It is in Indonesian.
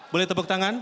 boleh tepuk tangan